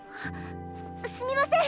すみません！